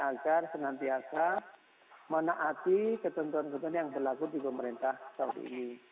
agar senantiasa menaati ketentuan ketentuan yang berlaku di pemerintah saudi ini